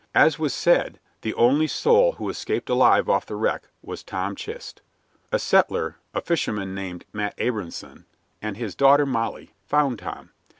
As was said, the only soul who escaped alive off the wreck was Tom Chist. A settler, a fisherman named Matt Abrahamson, and his daughter Molly, found Tom.